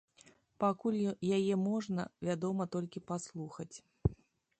Пакуль яе можна, вядома, толькі паслухаць.